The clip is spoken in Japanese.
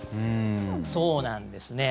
そうなんですね。